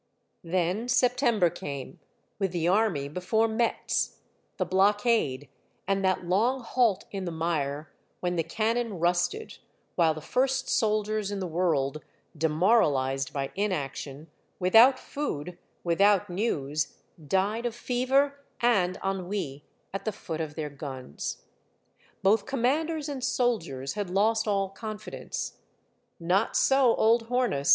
Then September came, with the army before Metz, — the blockade, and that long halt in the mire, when the cannon rusted, while the first soldiers in the world, demoralized by inaction, without food, without news, died of fever and ennui at the foot of their guns. Both commanders and soldiers had lost all confidence ; not so old Hornus.